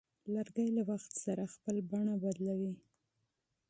لرګی له وخت سره خپل بڼه بدلوي.